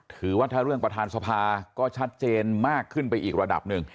ถือว่าถ้าเรื่องประธานสภาก็ชัดเจนมากขึ้นไปอีกระดับหนึ่ง